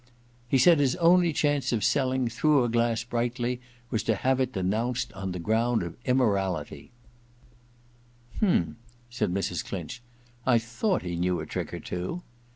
* He said his only chance of selling " Through a Glass Brightly " was to have it denounced on the ground of immorality/ *H'm/ said Mrs. Clinch, *I thought he knew a trick or two.'